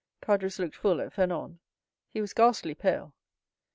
Caderousse looked full at Fernand—he was ghastly pale.